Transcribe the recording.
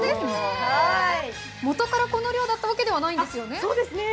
もとからこの量だったわけではないんですよね？